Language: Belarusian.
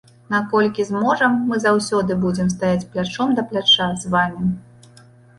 Наколькі зможам, мы заўсёды будзем стаяць плячом да пляча з вамі.